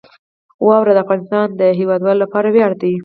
واوره د افغانستان د هیوادوالو لپاره ویاړ دی.